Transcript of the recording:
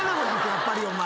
やっぱりお前。